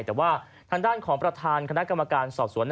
แต่ว่าทางด้านของประธานคณะกรรมการสอบสวน